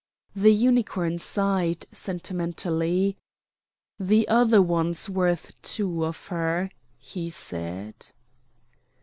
The Unicorn sighed, sentimentally. "The other one's worth two of her," he said.